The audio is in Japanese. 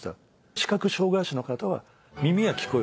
視覚障がい者の方は耳が聞こえる。